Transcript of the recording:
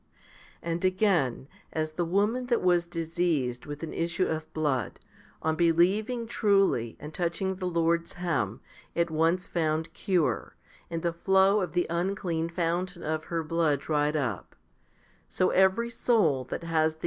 4. And again, as the woman that was diseased with an issue of blood, on believing truly and touching the Lord's hem, at once found cure, and the flow of the unclean fountain of her blood dried up, so every soul that has the 1 i Cor.